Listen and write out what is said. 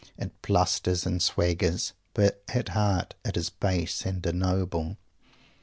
It blusters and swaggers, but at heart it is base and ignoble.